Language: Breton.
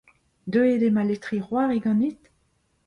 Deuet eo ma letrin-c'hoari ganit ?